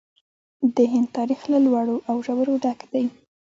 د هند تاریخ له لوړو او ژورو ډک دی.